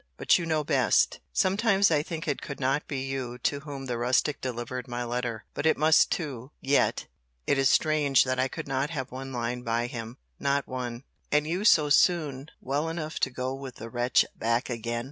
—But you know best!—Sometimes I think it could not be you to whom the rustic delivered my letter. But it must too: yet, it is strange I could not have one line by him:—not one:—and you so soon well enough to go with the wretch back again!